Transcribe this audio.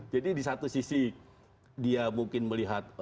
jadi di satu sisi dia mungkin melihat